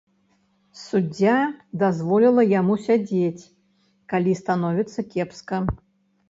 Суддзя дазволіла яму сядзець, калі становіцца кепска.